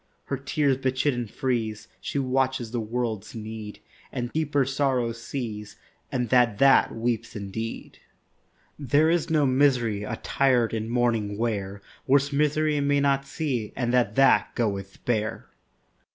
Her tears bechidden freeze; She watches the world's need, And deeper sorrow sees, And that that weeps indeed. There is no misery Attired in mourning wear, Worse misery may not see, And that that goeth bare.